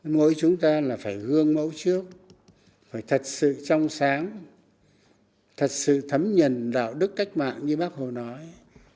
mỗi chúng ta là phải gương mẫu trước phải thật sự trong sáng thật sự thấm nhận đạo đức cách mạng như bác hồ nói